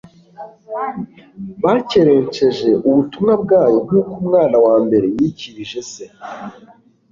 Bakerensheje ubutumwa bwayo. Nk'uko umwana wa mbere yikirije se